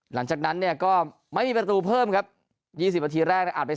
หลังจากนั้นเนี่ยก็ไม่มีประตูเพิ่มครับ๒๐วาทีแรกอาจไป๓๐